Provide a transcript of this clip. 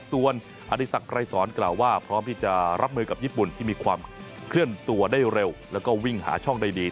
ส่วนอธิสักไกรสอนกล่าวว่าพร้อมที่จะรับมือกับญี่ปุ่นที่มีความเคลื่อนตัวได้เร็วแล้วก็วิ่งหาช่องได้ดี